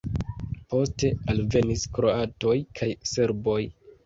Poste alvenis kroatoj kaj serboj.